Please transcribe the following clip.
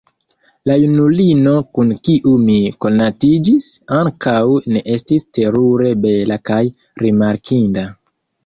La junulino kun kiu mi konatiĝis, ankaŭ ne estis terure bela kaj rimarkinda.